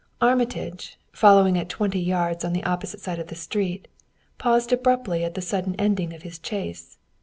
Armitage, following at twenty yards on the opposite side of the street, paused abruptly at the sudden ending of his chase.